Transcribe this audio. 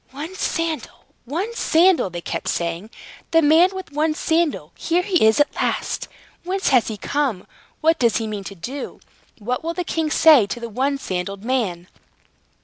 "One sandal! One sandal!" they kept saying. "The man with one sandal! Here he is at last! Whence has he come? What does he mean to do? What will the king say to the one sandaled man?"